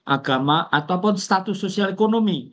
agama ataupun status sosial ekonomi